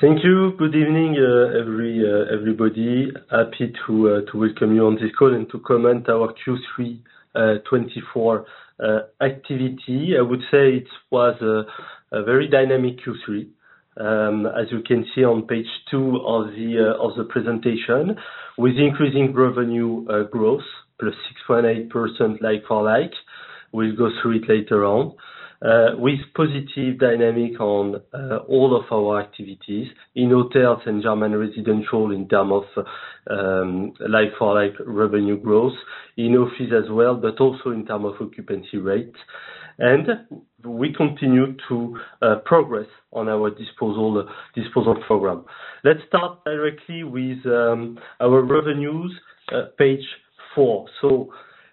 Thank you. Good evening, everybody. Happy to welcome you on this call and to comment our Q3 2024 activity. I would say it was a very dynamic Q3. As you can see on page two of the presentation, with increasing revenue growth, +6.8% like-for-like. We'll go through it later on. With positive dynamic on all of our activities, in hotels and German residential, in terms of like-for-like revenue growth. In office as well, but also in terms of occupancy rate. And we continue to progress on our disposal program. Let's start directly with our revenues, page four.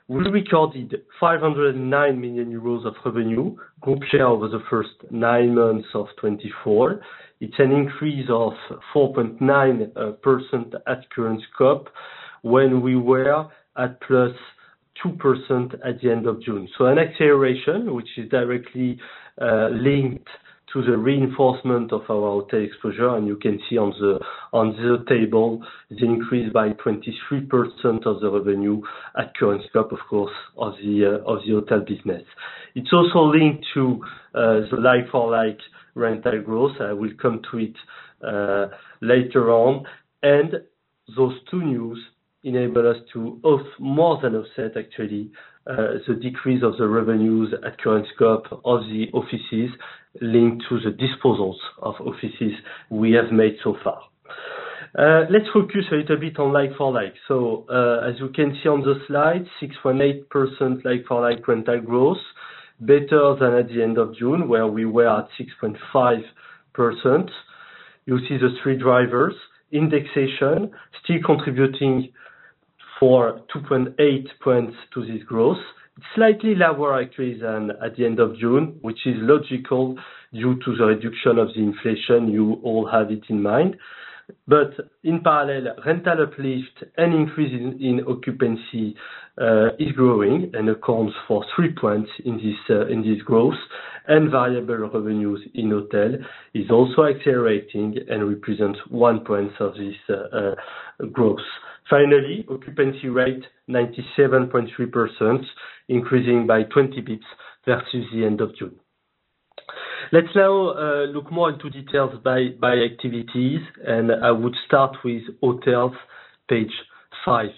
So we recorded 509 million euros of revenue, group share over the first nine months of 2024. It's an increase of 4.9% at current scope, when we were at +2% at the end of June. So an acceleration, which is directly linked to the reinforcement of our hotel exposure, and you can see on the table, the increase by 23% of the revenue at current scope, of course, of the hotel business. It's also linked to the like-for-like rental growth. I will come to it later on. And those two news enable us to more than offset actually the decrease of the revenues at current scope of the offices, linked to the disposals of offices we have made so far. Let's focus a little bit on like-for-like. As you can see on the slide, 6.8% like-for-like rental growth, better than at the end of June, where we were at 6.5%. You see the three drivers. Indexation still contributing for 2.8 points to this growth. Slightly lower, actually, than at the end of June, which is logical due to the reduction of the inflation. You all have it in mind, but in parallel, rental uplift and increase in occupancy is growing and accounts for three points in this growth, and variable revenues in hotel is also accelerating and represents one point of this growth. Finally, occupancy rate 97.3%, increasing by 20 [basis points] versus the end of June. Let's now look more into details by activities, and I would start with hotels, page five.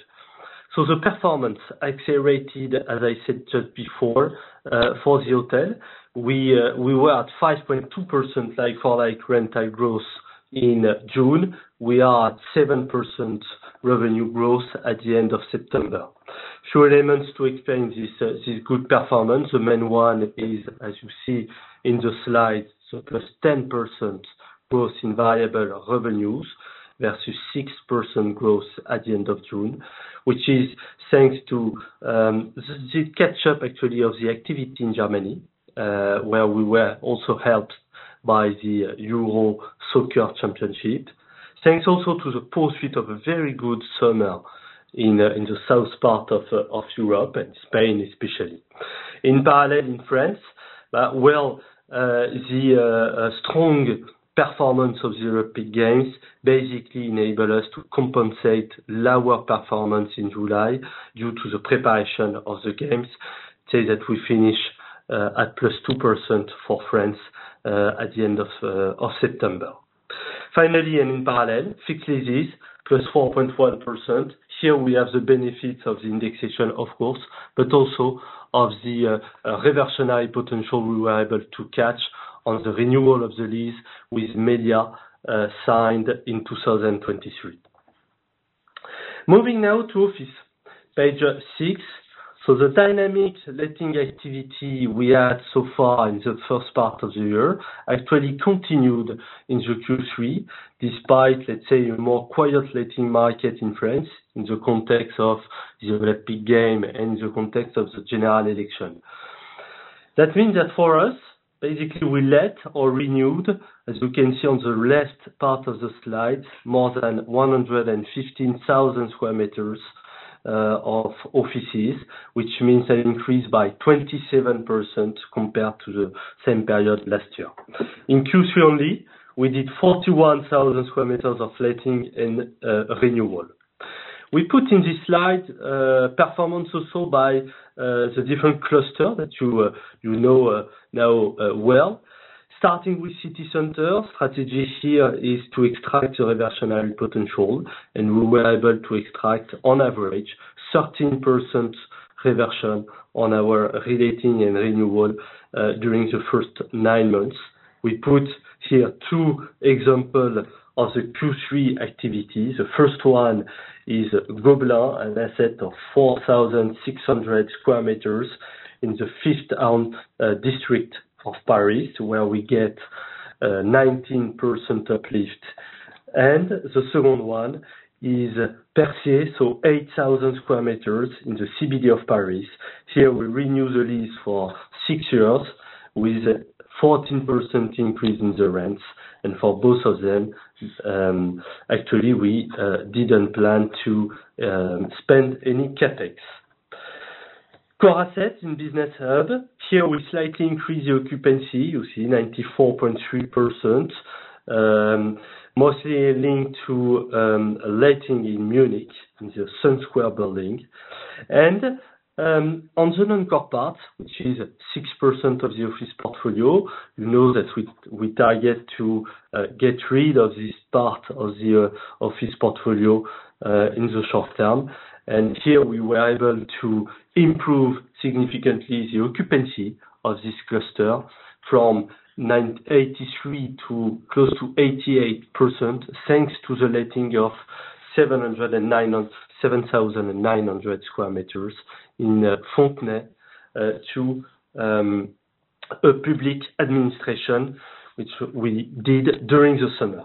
The performance accelerated, as I said just before, for the hotel. We were at 5.2% like-for-like rental growth in June. We are at 7% revenue growth at the end of September. Several elements to explain this good performance. The main one is, as you see in the slides, +10% growth in variable revenues versus 6% growth at the end of June, which is thanks to the catch up, actually, of the activity in Germany, where we were also helped by the Euro Soccer Championship. Thanks also to the pursuit of a very good summer in the south part of Europe and Spain, especially. In parallel in France, well, the strong performance of the Olympic Games basically enable us to compensate lower performance in July due to the preparation of the games. Say that we finish at +2% for France at the end of September. Finally, and in parallel, fixed leases +4.1%. Here we have the benefit of the indexation, of course, but also of the reversionary potential we were able to catch on the renewal of the lease with Meliá signed in 2023. Moving now to office, page six. So the dynamic letting activity we had so far in the first part of the year actually continued into Q3, despite, let's say, a more quiet letting market in France, in the context of the Olympic game and in the context of the general election. That means that for us, basically, we let or renewed, as you can see on the left part of the slide, more than 115,000 sq m of offices, which means an increase by 27% compared to the same period last year. In Q3 only, we did 41,000 sq m of letting and renewal. We put in this slide performance also by the different clusters that you know now well. Starting with city center, strategy here is to extract the reversionary potential, and we were able to extract, on average, 13% reversion on our reletting and renewal during the first nine months. We put here two examples of the Q3 activity. The first one is Gobelins, an asset of 4,600 sq m in the Fifth District of Paris, where we get 19% uplift. The second one is Percier, so 8,000 sq m in the CBD of Paris. Here, we renew the lease for six years with 14% increase in the rents. For both of them, actually, we didn't plan to spend any CapEx. Core assets in business hub, here we slightly increase the occupancy, you see 94.3%, mostly linked to letting in Munich, in the Sun Square building. On the non-core part, which is at 6% of the office portfolio, you know that we target to get rid of this part of the office portfolio in the short term. And here, we were able to improve significantly the occupancy of this cluster from 83% to close to 88%, thanks to the letting of 7,900 sq m in Fontenay to a public administration, which we did during the summer.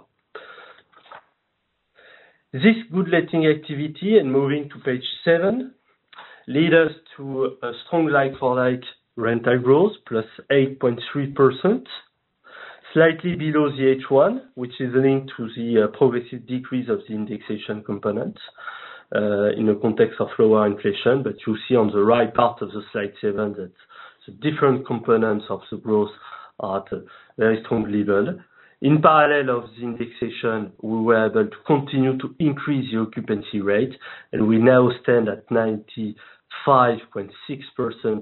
This good letting activity, and moving to page seven, lead us to a strong like-for-like rental growth, +8.3%. Slightly below the H1, which is linked to the progressive decrease of the indexation component in the context of lower inflation. But you see on the right part of the slide seven, that the different components of the growth are at a very strong level. In parallel of the indexation, we were able to continue to increase the occupancy rate, and we now stand at 95.6%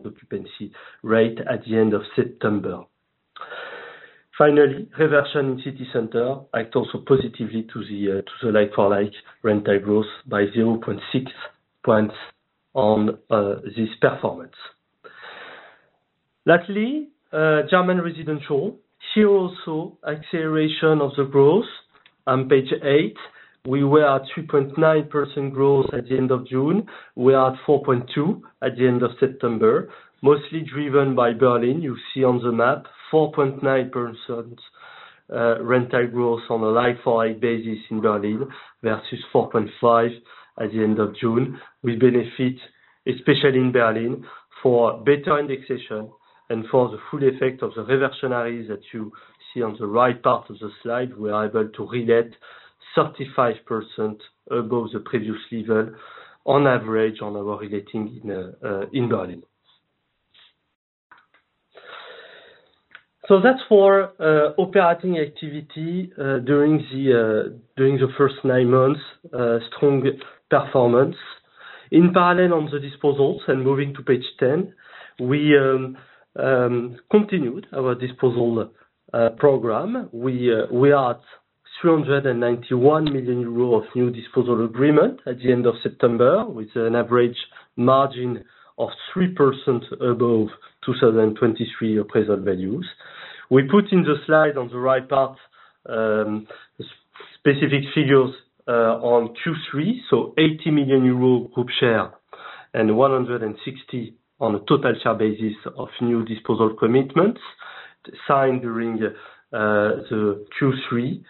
occupancy rate at the end of September. Finally, reversion in city center assets also positively to the, to the like-for-like rental growth by 0.6 points on this performance. Lastly, German residential. Here also, acceleration of the growth. On page eight, we were at 2.9% growth at the end of June. We are at 4.2% at the end of September, mostly driven by Berlin. You see on the map, 4.9% rental growth on a like-for-like basis in Berlin, versus 4.5% at the end of June. We benefit, especially in Berlin, for better indexation and for the full effect of the reversionaries that you see on the right part of the slide. We are able to re-let 35% above the previous level, on average, on our reletting in Berlin. So that's for operating activity during the first nine months, strong performance. In parallel on the disposals, and moving to page 10, we continued our disposal program. We are at 391 million euros of new disposal agreement at the end of September, with an average margin of 3% above 2023 appraisal values. We put in the slide on the right part, specific figures, on Q3, so 80 million euro group share, and 160 on a total share basis of new disposal commitments signed during the Q3.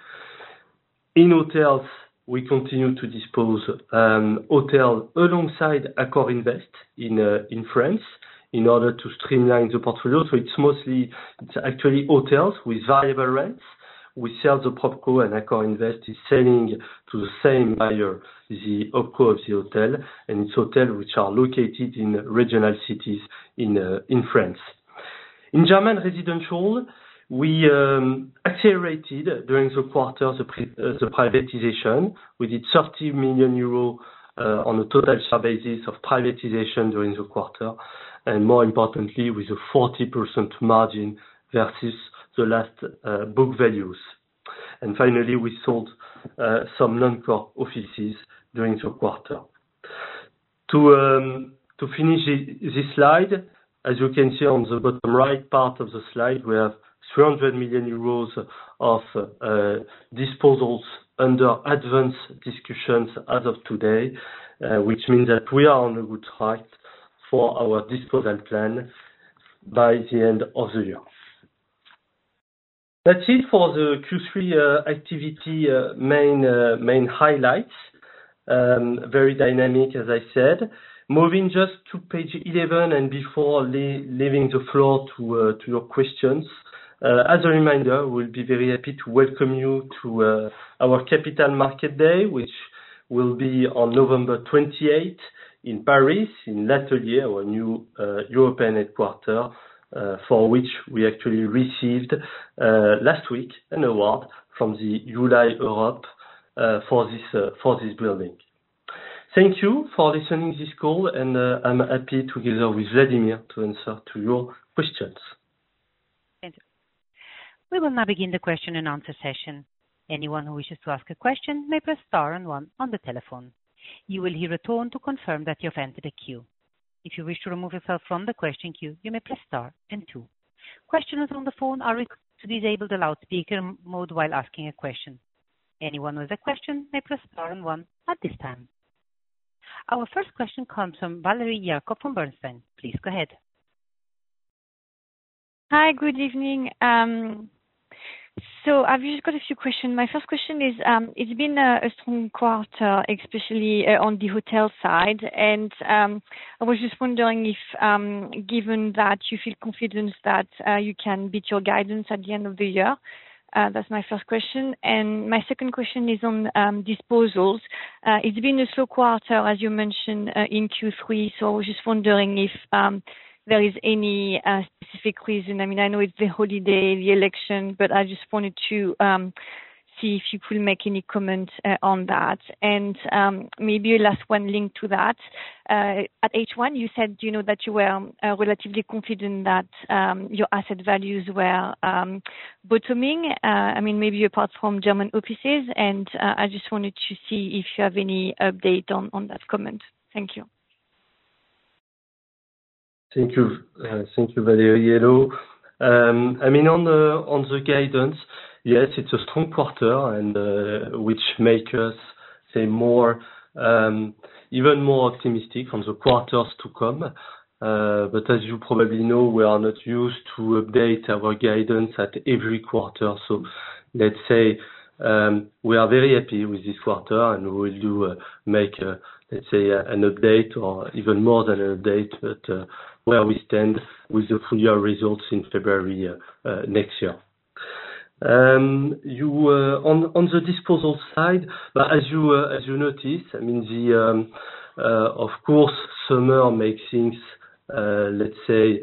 In hotels, we continue to dispose of hotels alongside AccorInvest in France, in order to streamline the portfolio. So it's mostly, it's actually hotels with valuable rents. We sell the PropCo, and AccorInvest is selling to the same buyer, the OpCo of the hotel, and it's hotels which are located in regional cities in France. In German residential, we accelerated during the quarter the privatization. We did 30 million euros on a total share basis of privatization during the quarter, and more importantly, with a 40% margin versus the last book values. Finally, we sold some non-core offices during the quarter. To finish this slide, as you can see on the bottom right part of the slide, we have 300 million euros of disposals under advanced discussions as of today, which means that we are on a good track for our disposal plan by the end of the year. That's it for the Q3 activity main highlights. Very dynamic, as I said. Moving just to page 11, and before leaving the floor to your questions. As a reminder, we'll be very happy to welcome you to our Capital Market Day, which will be on November 28 in Paris, in L'Atelier, our new European headquarter, for which we actually received last week an award from the ULI Europe, for this building. Thank you for listening this call, and I'm happy together with Vladimir to answer to your questions. Thank you. We will now begin the question and answer session. Anyone who wishes to ask a question may press star and one on the telephone. You will hear a tone to confirm that you have entered a queue. If you wish to remove yourself from the question queue, you may press star and two. Questioners on the phone are requested to disable the loudspeaker mode while asking a question. Anyone with a question may press star and one at this time. Our first question comes from Valérie Jacob from Bernstein. Please go ahead. Hi, good evening. I've just got a few questions. My first question is, it's been a strong quarter, especially on the hotel side. And I was just wondering if, given that you feel confident that you can beat your guidance at the end of the year? That's my first question. And my second question is on disposals. It's been a slow quarter, as you mentioned, in Q3, so I was just wondering if there is any specific reason. I mean, I know it's the holiday, the election, but I just wanted to see if you could make any comment on that. And maybe a last one linked to that. At H1, you said, you know, that you were relatively confident that your asset values were bottoming. I mean, maybe apart from German offices, and I just wanted to see if you have any update on that comment. Thank you. Thank you. Thank you, Valérie. I mean, on the guidance, yes, it's a strong quarter, and which make us say more even more optimistic on the quarters to come, but as you probably know, we are not used to update our guidance at every quarter. Let's say we are very happy with this quarter, and we will make let's say an update or even more than an update, but where we stand with the full-year results in February next year. On the disposal side, as you noticed, I mean, of course, summer makes things let's say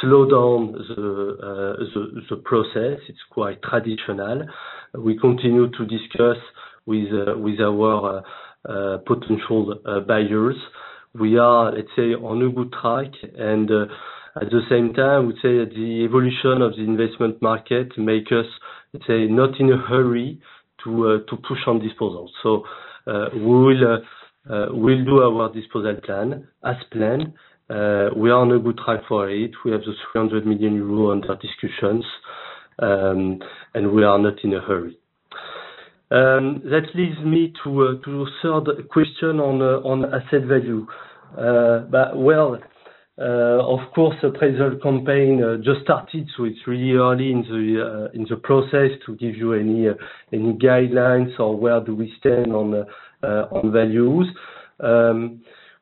slow down the process. It's quite traditional. We continue to discuss with our potential buyers. We are, let's say, on a good track, and, at the same time, I would say that the evolution of the investment market make us, let's say, not in a hurry to, to push on disposals. So, we will, we'll do our disposal plan, as planned. We are on a good track for it. We have 300 million euro under discussions, and we are not in a hurry. That leads me to, to a third question on, on asset value. But well, of course, the appraisal campaign just started, so it's really early in the, in the process to give you any, any guidelines or where do we stand on, on values.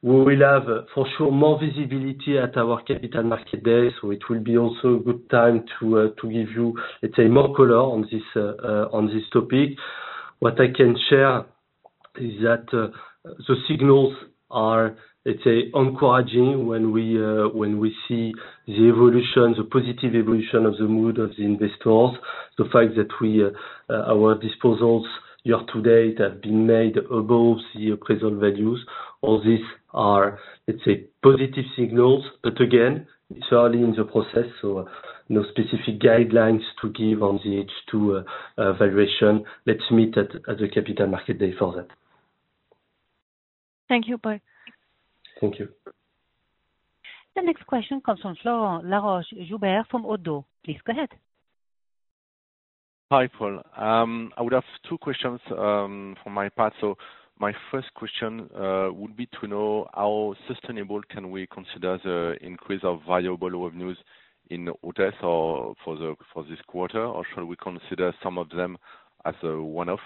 We will have, for sure, more visibility at our capital market day, so it will be also a good time to give you, let's say, more color on this on this topic. What I can share is that the signals are, let's say, encouraging when we see the evolution, the positive evolution of the mood of the investors. The fact that our disposals year-to-date have been made above the appraisal values, all these are, let's say, positive signals. But again, it's early in the process, so no specific guidelines to give on the H2 valuation. Let's meet at the capital market day for that. Thank you, bye. Thank you. The next question comes from Florent Laroche-Joubert from Oddo. Please go ahead. Hi, Paul. I would have two questions from my part. So my first question would be to know how sustainable can we consider the increase of variable revenues in hotels or for the, for this quarter, or should we consider some of them as a one-off?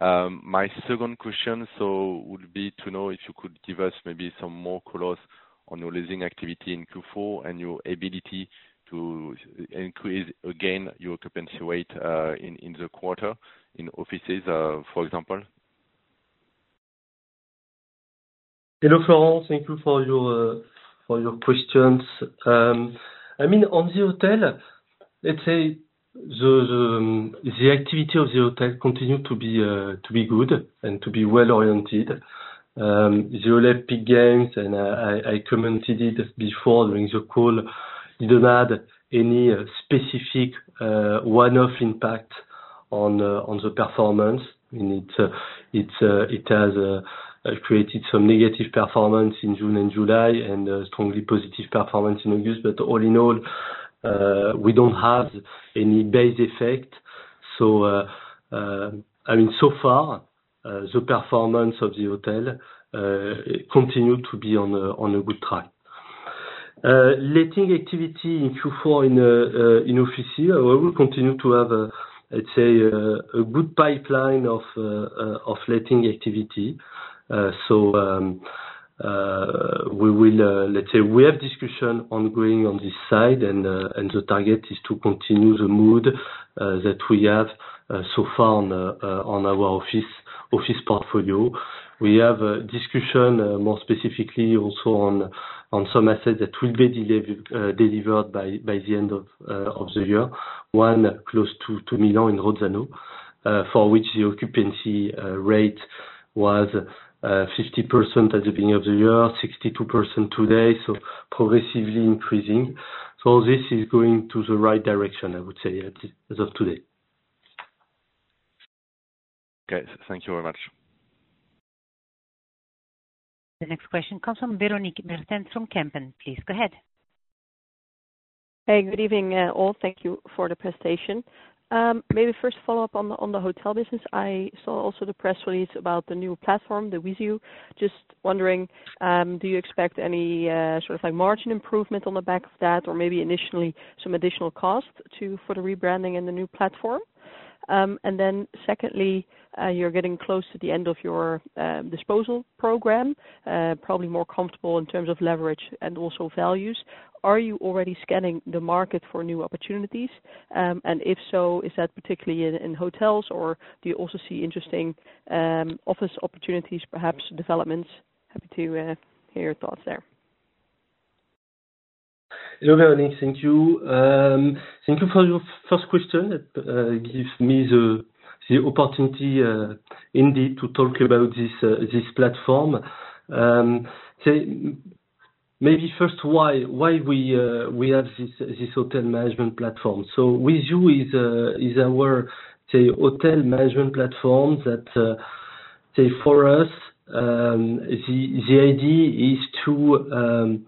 My second question would be to know if you could give us maybe some more color on your leasing activity in Q4 and your ability to increase, again, your occupancy rate in the quarter in offices for example. Hello, Florent. Thank you for your questions. I mean, on the hotel, let's say the activity of the hotel continued to be good and to be well-oriented. The Olympic Games, and I commented it before during the call, didn't add any specific one-off impact on the performance. I mean, it has created some negative performance in June and July and strongly positive performance in August. But all in all, we don't have any base effect. So, I mean, so far, the performance of the hotel continued to be on a good track. Letting activity in Q4 in office here, we will continue to have a, let's say, a good pipeline of letting activity. So, we will, let's say, have discussions ongoing on this side, and the target is to continue the momentum that we have so far on our office portfolio. We have a discussion, more specifically also on some assets that will be delivered by the end of the year. One close to Milan in Rozzano, for which the occupancy rate was 50% at the beginning of the year, 62% today, so progressively increasing. So this is going in the right direction, I would say, as of today. Okay. Thank you very much. The next question comes from Véronique Bertrand from Kempen. Please go ahead. Hey, good evening, all. Thank you for the presentation. Maybe first follow up on the hotel business. I saw also the press release about the new platform, the Wizio. Just wondering, do you expect any sort of like margin improvement on the back of that, or maybe initially some additional costs for the rebranding and the new platform? And then secondly, you're getting close to the end of your disposal program, probably more comfortable in terms of leverage and also values. Are you already scanning the market for new opportunities? And if so, is that particularly in hotels, or do you also see interesting office opportunities, perhaps developments? Happy to hear your thoughts there. [inaudible] Thank you. Thank you for your first question. It gives me the opportunity, indeed, to talk about this platform. Maybe first, why we have this hotel management platform? So Wizio is our hotel management platform that for us, the idea is to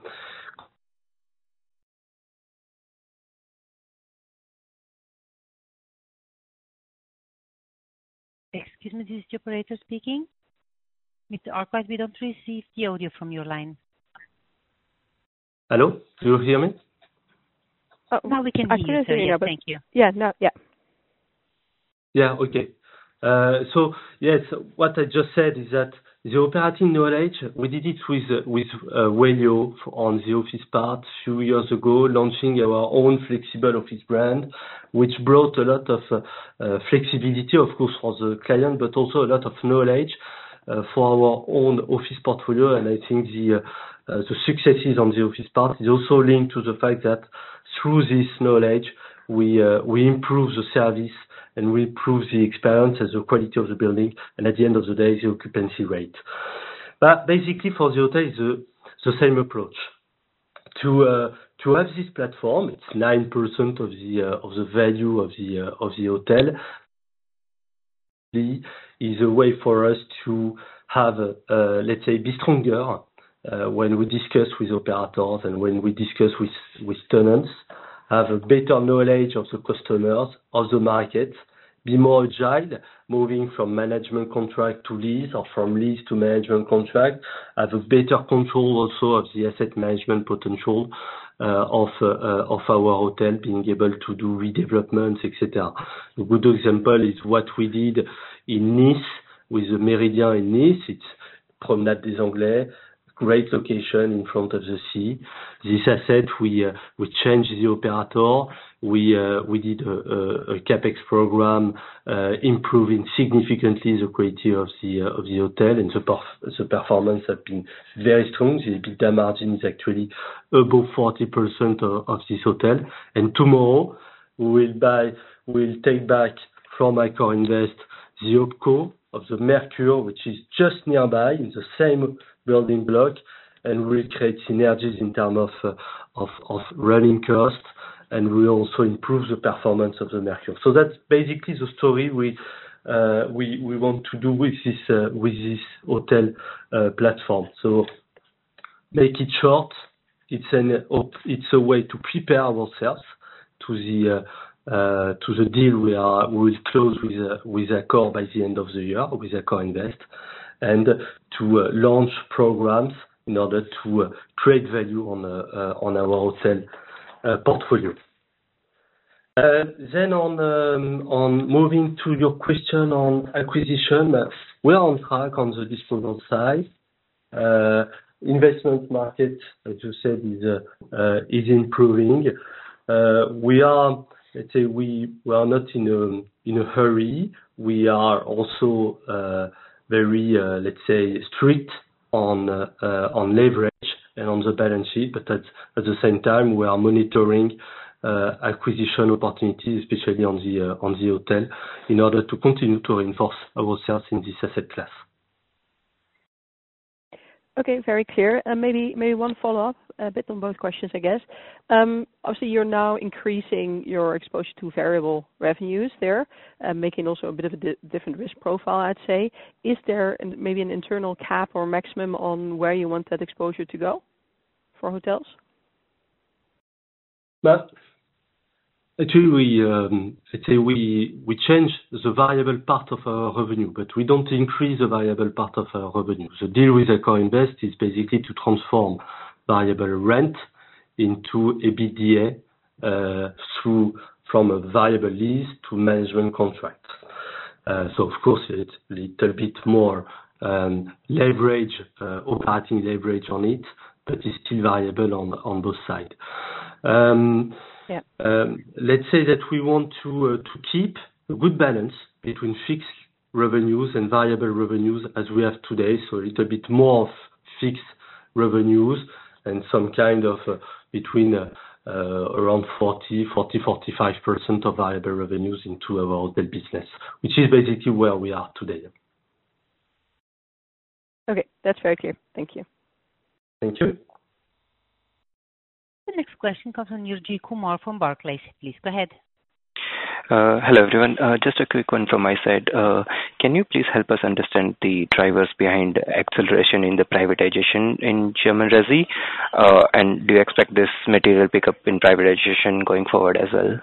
Excuse me, this is the operator speaking. Mr. Arkwright, we don't receive the audio from your line. Hello, do you hear me? Now we can hear you. I can hear you, Thank you. Yeah, now, yeah. Yeah, okay. So yes, what I just said is that the operating knowledge, we did it with Wellio on the office part few years ago, launching our own flexible office brand, which brought a lot of flexibility, of course, for the client, but also a lot of knowledge for our own office portfolio. And I think the successes on the office part is also linked to the fact that through this knowledge, we improve the service, and we improve the experience and the quality of the building, and at the end of the day, the occupancy rate. But basically for the hotel, is the same approach. To have this platform, it's 9% of the value of the hotel. There is a way for us to have a, let's say, be stronger, when we discuss with operators and when we discuss with tenants. Have a better knowledge of the customers, of the market, be more agile, moving from management contract to lease or from lease to management contract. Have a better control also of the asset management potential, of our hotel, being able to do redevelopments, etc. A good example is what we did in Nice, with the Le Méridien in Nice. It's Promenade des Anglais, great location in front of the sea. This asset, we changed the operator. We did a CapEx program, improving significantly the quality of the hotel, and the performance has been very strong. The EBITDA margin is actually above 40% of this hotel. Tomorrow, we will buy, we'll take back from AccorInvest, the OpCo of the Mercure, which is just nearby in the same building block, and will create synergies in terms of running costs, and we'll also improve the performance of the Mercure. That's basically the story we want to do with this hotel platform. Make it short, it's a way to prepare ourselves to the deal we will close with Accor by the end of the year, with AccorInvest. To launch programs in order to create value on our hotel portfolio. On moving to your question on acquisition, we are on track on the disposal side. Investment market, as you said, is improving. We are, let's say, not in a hurry. We are also very, let's say, strict on leverage and on the balance sheet, but at the same time, we are monitoring acquisition opportunities, especially on the hotel, in order to continue to reinforce ourselves in this asset class. Okay, very clear. And maybe one follow-up, a bit on both questions, I guess. Obviously you're now increasing your exposure to variable revenues there, making also a bit of a different risk profile, I'd say. Is there maybe an internal cap or maximum on where you want that exposure to go for hotels? Well, actually, I'd say we change the variable part of our revenue, but we don't increase the variable part of our revenue. The deal with AccorInvest is basically to transform variable rent into EBITDA from a variable lease to management contract. So of course, it's little bit more leverage, operating leverage on it, but it's still variable on both sides. Yeah. Let's say that we want to keep a good balance between fixed revenues and variable revenues as we have today. So a little bit more of fixed revenues and some kind of between around 40%-45% of variable revenues into our hotel business, which is basically where we are today. Okay, that's very clear. Thank you. Thank you. The next question comes from Niraj Kumar, from Barclays. Please go ahead. Hello, everyone. Just a quick one from my side. Can you please help us understand the drivers behind acceleration in the privatization in Germany, Resi, and do you expect this material pickup in privatization going forward as well?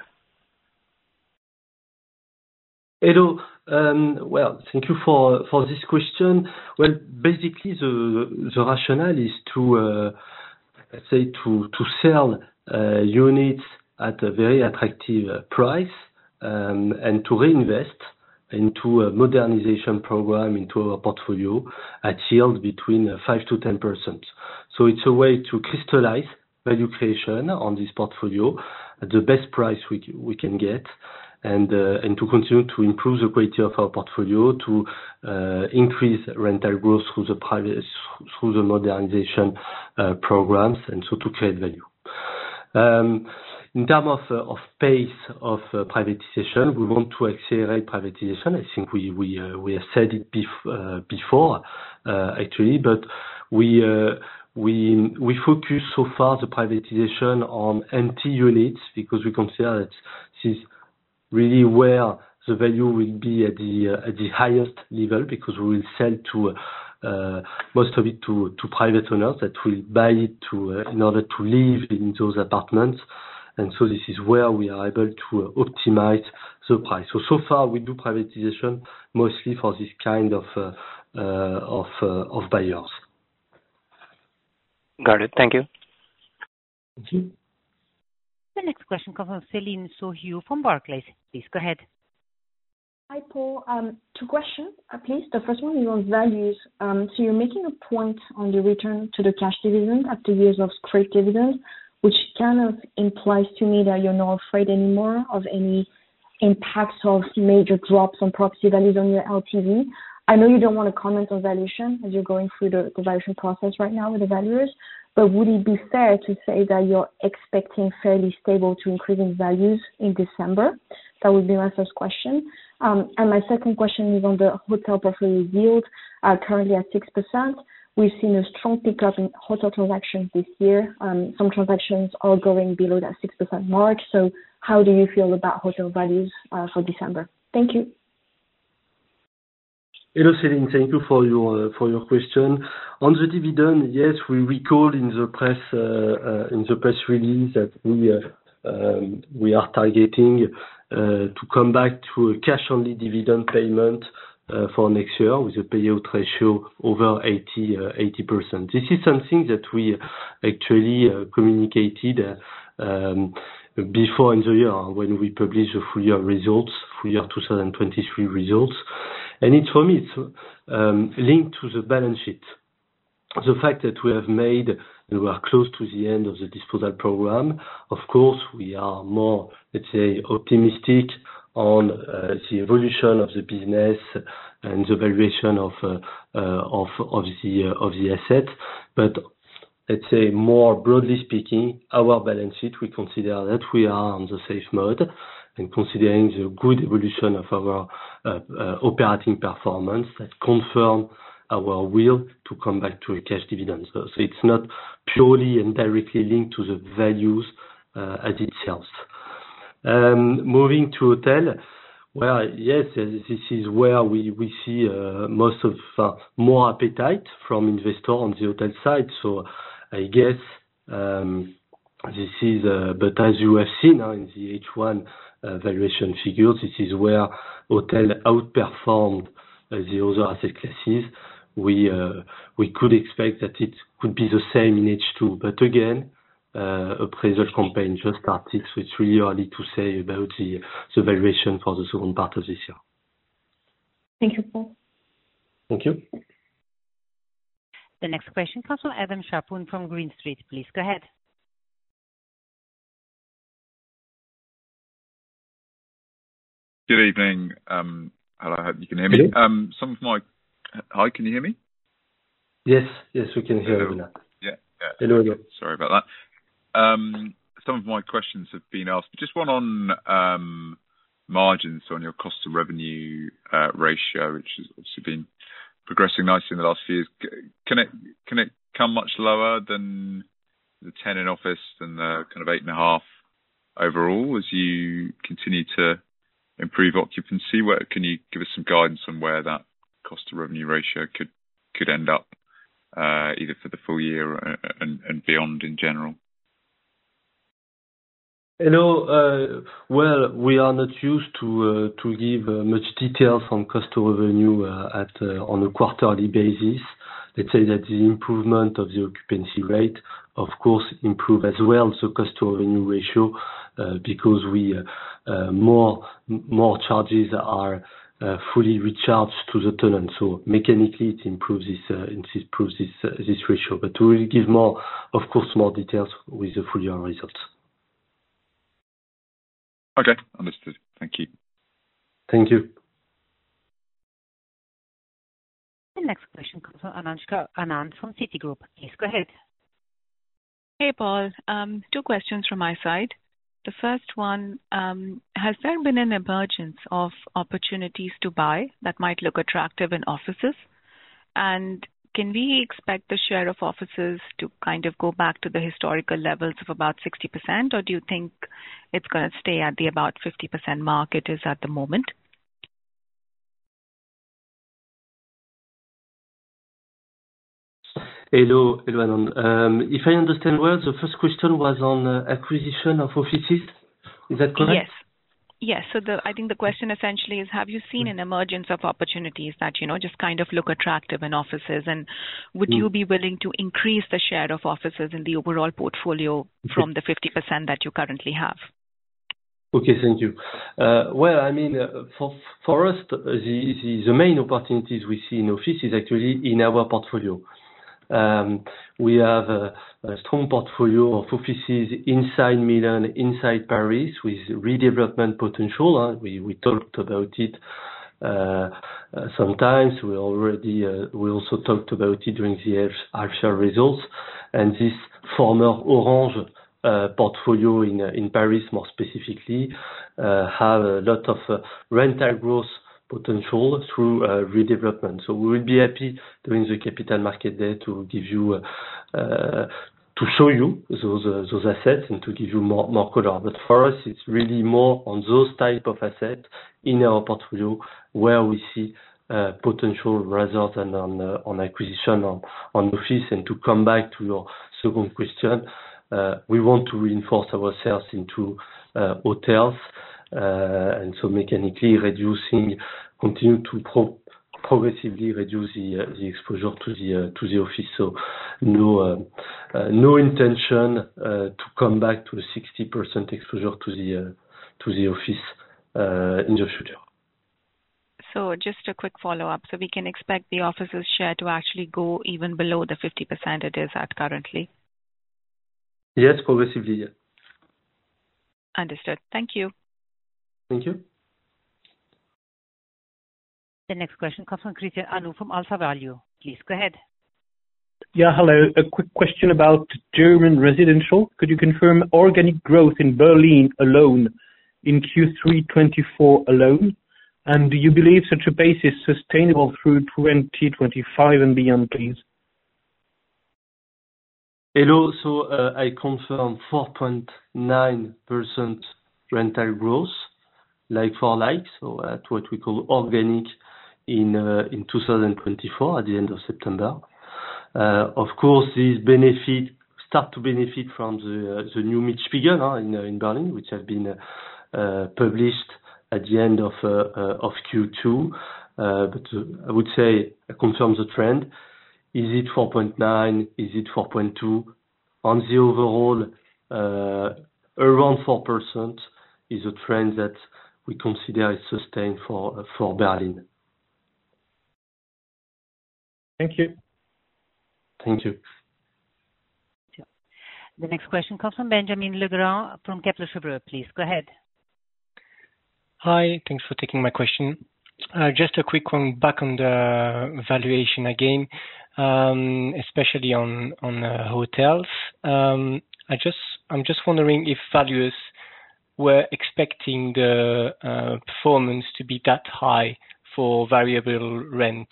Hello. Well, thank you for this question. Well, basically, the rationale is to, let's say, to sell units at a very attractive price, and to reinvest into a modernization program, into our portfolio at yield between 5%-10%. So it's a way to crystallize value creation on this portfolio at the best price we can get, and to continue to improve the quality of our portfolio, to increase rental growth through the modernization programs, and so to create value. In terms of pace of privatization, we want to accelerate privatization. I think we have said it before, actually, but we focus so far the privatization on empty units, because we consider that this is really where the value will be at the highest level, because we will sell most of it to private owners that will buy it in order to live in those apartments. And so this is where we are able to optimize the price. So, so far, we do privatization mostly for this kind of buyers. Got it. Thank you. Thank you. The next question comes from Céline Soo-Huynh from Barclays. Please go ahead. Hi, Paul. Two questions, please. The first one is on values. So you're making a point on the return to the cash dividend after years of scrip dividend, which kind of implies to me that you're not afraid anymore of any impacts of major drops on property values on your LTV. I know you don't want to comment on valuation, as you're going through the valuation process right now with the valuers, but would it be fair to say that you're expecting fairly stable to increasing values in December? That would be my first question. And my second question is on the hotel property yields are currently at 6%. We've seen a strong pickup in hotel transactions this year. Some transactions are going below that 6% mark. So how do you feel about hotel values for December? Thank you. Hello, Céline, thank you for your question. On the dividend, yes, we recall in the press release, that we are targeting to come back to a cash-only dividend payment for next year, with the payout ratio over 80%. This is something that we actually communicated before in the year when we published the full-year 2023 results. And it's, for me, linked to the balance sheet. The fact that we have made, and we are close to the end of the disposal program, of course, we are more, let's say, optimistic on the evolution of the business and the valuation of the assets. Let's say, more broadly speaking, our balance sheet, we consider that we are on the safe mode, and considering the good evolution of our operating performance, that confirms our will to come back to a cash dividend. So it's not purely and directly linked to the values as itself. Moving to hotels, well, yes, this is where we see most more appetite from investors on the hotel side. So I guess this is, but as you have seen now in the H1 valuation figures, this is where hotels outperformed the other asset classes. We could expect that it could be the same in H2, but again, appraisal campaign just started, so it's really early to say about the valuation for the second part of this year. Thank you, Paul. Thank you. The next question comes from Adam Shapton from Green Street. Please go ahead. Good evening. Hello, hope you can hear me. Good evening. Hi, can you hear me? Yes, yes, we can hear you now. Yeah. Yeah. Hello again. Sorry about that. Some of my questions have been asked, but just one on margins on your cost to revenue ratio, which has also been progressing nicely in the last few years. Can it come much lower than the 10% in office and the kind of 8.5% overall, as you continue to improve occupancy? Can you give us some guidance on where that cost to revenue ratio could end up, either for the full-year or, and beyond in general? You know, well, we are not used to to give much detail from cost to revenue at on a quarterly basis. Let's say that the improvement of the occupancy rate, of course, improve as well, so cost to revenue ratio because we more charges are fully recharged to the tenant. So mechanically, it improves this ratio. But we will give more, of course, more details with the full-year results. Okay, understood. Thank you. Thank you. The next question comes from Aakanksha Anand from Citi Group. Please go ahead. Hey, Paul. Two questions from my side. The first one, has there been an emergence of opportunities to buy that might look attractive in offices? And can we expect the share of offices to kind of go back to the historical levels of about 60%, or do you think it's gonna stay at the about 50% mark it is at the moment? Hello, hello, Anand. If I understand well, the first question was on acquisition of offices. Is that correct? Yes. Yes, so I think the question essentially is, have you seen an emergence of opportunities that, you know, just kind of look attractive in offices? Mm. Would you be willing to increase the share of offices in the overall portfolio from the 50% that you currently have? Okay, thank you. Well, I mean, for us, the main opportunities we see in office is actually in our portfolio. We have a strong portfolio of offices inside Milan, inside Paris, with redevelopment potential. We talked about it sometimes. We already also talked about it during the actual results, and this former Orange portfolio in Paris, more specifically, have a lot of rental growth potential through redevelopment, so we will be happy during the capital market day to give you, to show you those assets and to give you more color, but for us, it's really more on those type of assets in our portfolio where we see potential results and on acquisition on office. To come back to your second question, we want to reinforce ourselves into hotels. So mechanically, continue to progressively reduce the exposure to the office. So no intention to come back to the 60% exposure to the office in the future. So just a quick follow-up. So we can expect the office's share to actually go even below the 50% it is at currently? Yes, progressively, yeah. Understood. Thank you. Thank you. The next question comes from Christian Auzanneau from AlphaValue. Please go ahead. Yeah, hello. A quick question about German residential. Could you confirm organic growth in Berlin alone in Q3 2024 alone? And do you believe such a pace is sustainable through 2025 and beyond, please? Hello, so, I confirm 4.9% rental growth, like-for-like, so at what we call organic, in, in 2024, at the end of September. Of course, this benefit, start to benefit from the, the new Mietspiegel, in, in Berlin, which has been, published at the end of, of Q2. But, I would say I confirm the trend. Is it 4.9? Is it 4.2? On the overall, around 4% is a trend that we consider is sustained for, for Berlin. Thank you. Thank you. The next question comes from Benjamin Legrand from Kepler Cheuvreux. Please, go ahead. Hi, thanks for taking my question. Just a quick one back on the valuation again, especially on hotels. I'm just wondering if valuers were expecting the performance to be that high for variable rent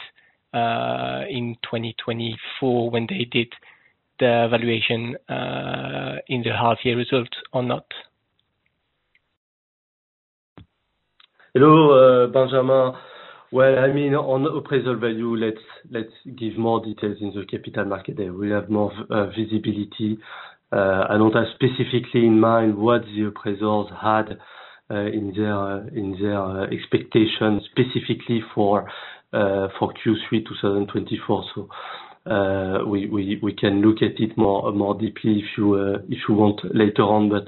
in 2024 when they did the valuation in the half-year results or not? Hello, Benjamin. Well, I mean, on appraisal value, let's give more details in the capital market there. We have more visibility. I don't have specifically in mind what the appraisers had in their expectation, specifically for Q3 2024. So, we can look at it more deeply if you want later on. But,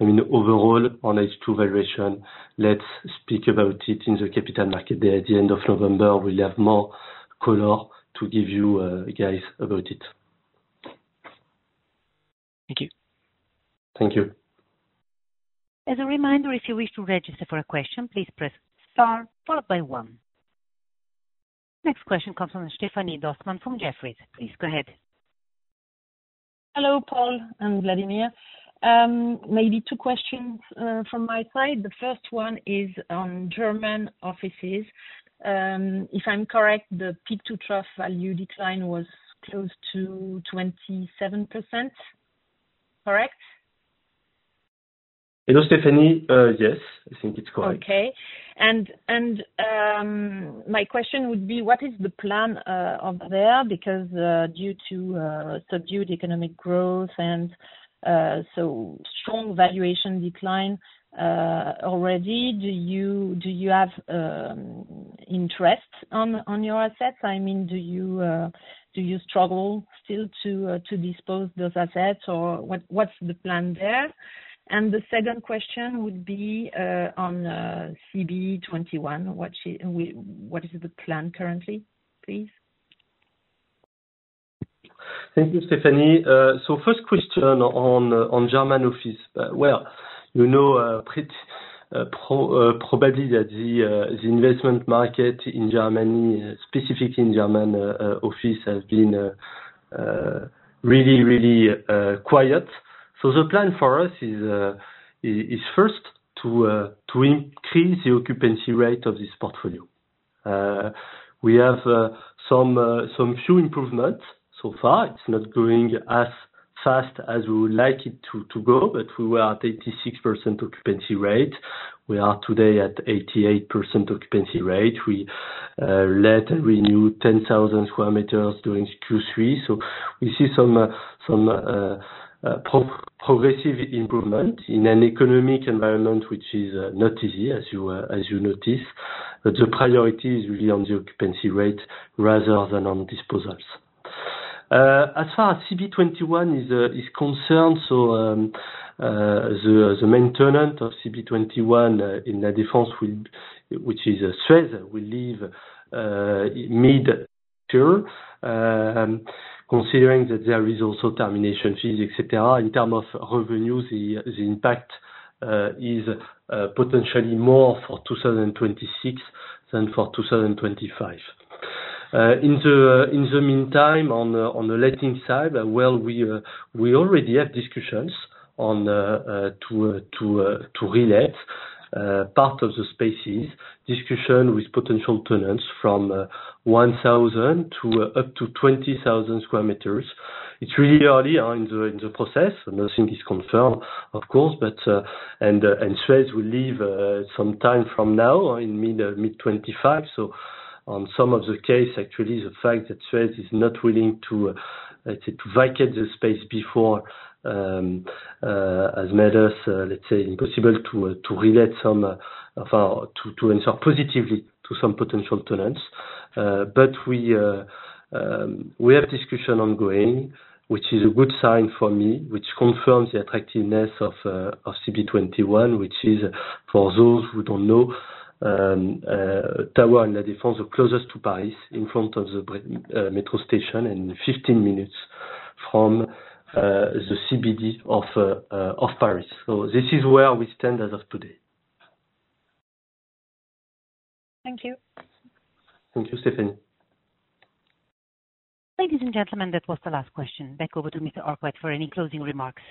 I mean, overall, on H2 valuation, let's speak about it in the capital market day. At the end of November, we'll have more color to give you, guys, about it. Thank you. Thank you. As a reminder, if you wish to register for a question, please press star followed by one. Next question comes from Stéphanie Dossmann from Jefferies. Please go ahead. Hello, Paul and Vladimir. Maybe two questions from my side. The first one is on German offices. If I'm correct, the peak to trough value decline was close to 27%. Correct? Hello, Stéphanie. Yes, I think it's correct. Okay. And, my question would be: What is the plan of there? Because, due to, subdued economic growth and, so strong valuation decline, already, do you have interest on your assets? I mean, do you struggle still to dispose those assets? Or what's the plan there? And the second question would be, on, CB21. What is the plan currently, please? Thank you, Stéphanie. So first question on German office. Well, you know, probably that the investment market in Germany, specifically in German office, has been really, really quiet. The plan for us is first to increase the occupancy rate of this portfolio. We have some few improvements so far. It's not going as fast as we would like it to go, but we were at 86% occupancy rate. We are today at 88% occupancy rate. We let and renew 10,000 sq m during Q3. So we see some progressive improvement in an economic environment, which is not easy, as you notice. But the priority is really on the occupancy rate rather than on disposals. As far as CB21 is concerned, the main tenant of CB21 in La Défense, which is Suez, will leave mid-term. Considering that there is also termination fees, et cetera, in terms of revenue, the impact is potentially more for 2026 than for 2025. In the meantime, on the letting side, well, we already have discussions to re-let part of the spaces. Discussions with potential tenants from 1,000 to up to 20,000 sq m. It's really early in the process, and nothing is confirmed, of course, but and Suez will leave some time from now, in mid-2025. So in some cases, actually, the fact that Suez is not willing to, let's say, to vacate the space before has made us, let's say, impossible to re-let some of our. To answer positively to some potential tenants. But we have discussion ongoing, which is a good sign for me, which confirms the attractiveness of CB 21, which is, for those who don't know, tower in La Défense, the closest to Paris, in front of the metro station, and 15 minutes from the CBD of Paris. So this is where we stand as of today. Thank you. Thank you, Stéphanie. Ladies and gentlemen, that was the last question. Back over to Mr. Arkwright for any closing remarks.